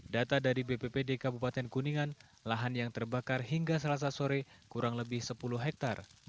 data dari bppd kabupaten kuningan lahan yang terbakar hingga selasa sore kurang lebih sepuluh hektare